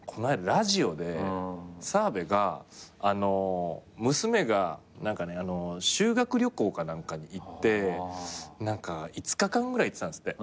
ラジオで澤部が娘が修学旅行か何かに行って５日間ぐらい行ってたんですって。